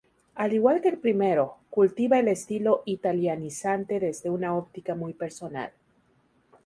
Al igual que el primero, cultiva el estilo italianizante desde una óptica muy personal.